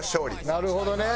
なるほどね。